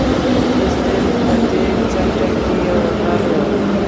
د سیند په دې څنګ کې یو غر وو.